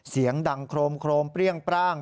เสียงดังโครมเปรี้ยงปร่าง